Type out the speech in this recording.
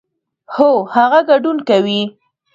هو، هغه ګډون کوي